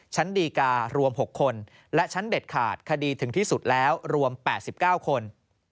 ชั้นดีการ์รวม๖คนและชั้นเด็ดขาดคดีถึงที่สุดแล้วรวม๘๙คน